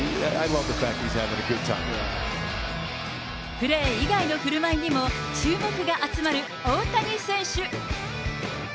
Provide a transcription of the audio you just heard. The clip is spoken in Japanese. プレー以外のふるまいにも注目が集まる大谷選手。